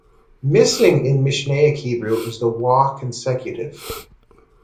Missing in Mishnaic Hebrew is the waw-consecutive.